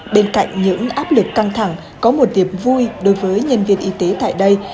bên cạnh những áp lực căng thẳng có một niềm vui đối với nhân viên y tế tại đây